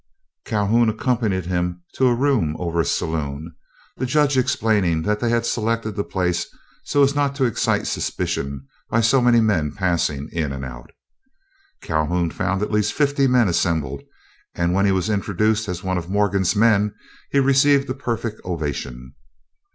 Calhoun accompanied him to a room over a saloon, the Judge explaining that they had selected the place so as not to excite suspicion by so many men passing in and out. Calhoun found at least fifty men assembled, and when he was introduced as one of Morgan's men, he received a perfect ovation.